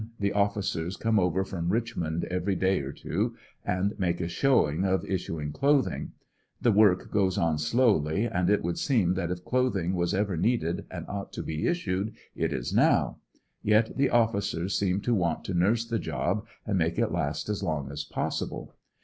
The offi cers come over from Richmond every day or two, and make a show ing of issuing clothing The work goes on slowly, and it would seem that if clothing was ever needed and ought to be issued, it is now; yet the officers seem to want to nurse the job and make it last as long as possible.